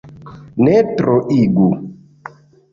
Ne troigu.